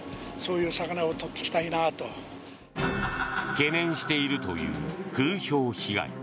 懸念しているという風評被害。